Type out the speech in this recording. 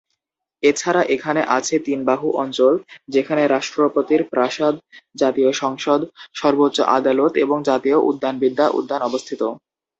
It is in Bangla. এছাড়া এখানে আছে তিন বাহু অঞ্চল, যেখানে রাষ্ট্রপতির প্রাসাদ, জাতীয় সংসদ, সর্বোচ্চ আদালত এবং জাতীয় উদ্ভিদবিদ্যা উদ্যান অবস্থিত।